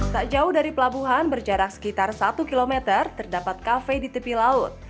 tak jauh dari pelabuhan berjarak sekitar satu km terdapat kafe di tepi laut